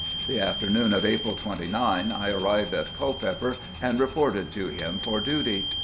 The afternoon of April 29 I arrived at Culpeper, and reported to him for duty.